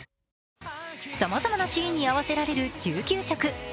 さまざまなシーンに合わせられる１９色。